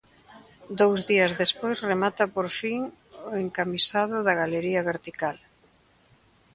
Dous días despois remata por fin o encamisado da galería vertical.